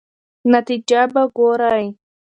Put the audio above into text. نتیجه به ګورئ.